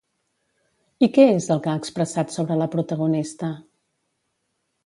I què és el que ha expressat sobre la protagonista?